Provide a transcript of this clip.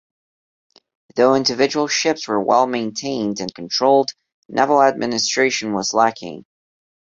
Though individual ships were well-maintained and controlled, naval administration was lacking.